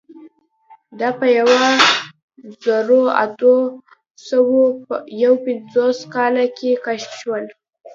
دا په یوه زرو اتو سوو یو پنځوسم کال کې کشف شول.